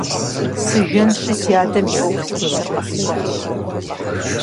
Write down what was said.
Сыжэнщи си адэм и Ӏуэху зытетыр къэсщӀэнщ.